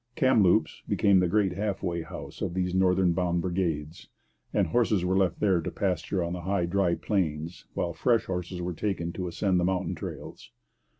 Kamloops became the great half way house of these north bound brigades; and horses were left there to pasture on the high, dry plains, while fresh horses were taken to ascend the mountain trails.